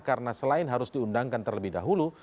karena selain harus diundangkan terlebih dahulu